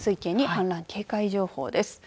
氾濫警戒情報です。